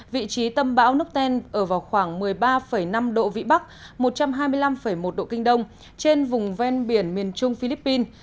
vị trí tâm bão nutten ở vào khoảng một mươi ba năm độ vĩ bắc một trăm hai mươi năm một độ kinh đông trên vùng ven biển miền trung philippines